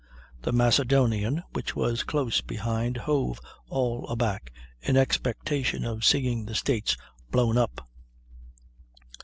The Macedonian, which was close behind, hove all aback, in expectation of seeing the States blown up.